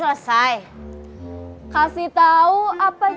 suami saya kok belum pulang